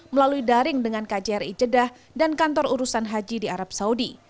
melalui daring dengan kjri jeddah dan kantor urusan haji di arab saudi